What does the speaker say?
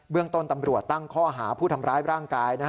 เรื่องต้นตำรวจตั้งข้อหาผู้ทำร้ายร่างกาย